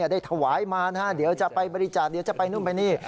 ได้ถวายมาเดี๋ยวจะไปบริจาคเดี๋ยวจะไปนู่นไปนี่